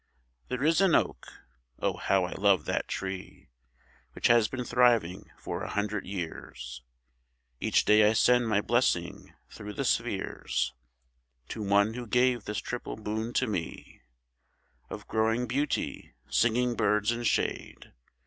There is an oak (oh! how I love that tree) Which has been thriving for a hundred years; Each day I send my blessing through the spheres To one who gave this triple boon to me, Of growing beauty, singing birds, and shade.